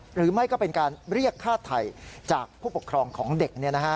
หรือไม่ก็เป็นการเรียกฆ่าไถ่จากผู้ปกครองของเด็ก